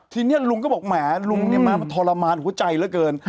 ทีนี้ลุงก็บอกแหมลุงเนี่ยมามันทรมานหัวใจเหลือเกิน